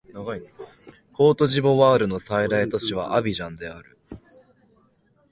コートジボワールの最大都市はアビジャンである